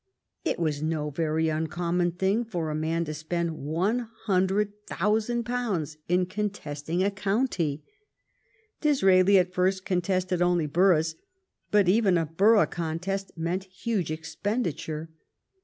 It was no very uncommon thing for a man to spend 100,000 pounds in contesting a county. Disraeli at first contested only boroughs, but even a borough contest meant huge expenditure.